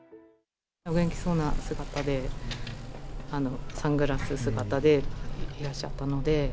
お元気そうな姿で、サングラス姿でいらっしゃったので。